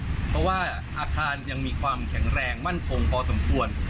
เพราะว่าอาคารยังมีความแข็งแรงมั่นคงพอสมควร